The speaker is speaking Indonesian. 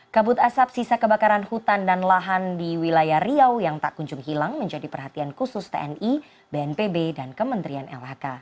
kabut asap sisa kebakaran hutan dan lahan di wilayah riau yang tak kunjung hilang menjadi perhatian khusus tni bnpb dan kementerian lhk